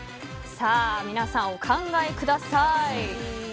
皆さんお考えください。